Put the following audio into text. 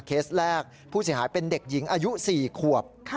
เคสแรกผู้เสียหายเป็นเด็กหญิงอายุ๔ขวบ